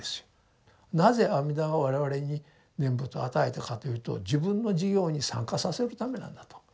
なぜ阿弥陀が我々に念仏を与えたかというと自分の事業に参加させるためなんだと。